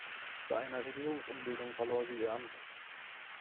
Bei einer Regierungsumbildung verlor sie ihr Amt.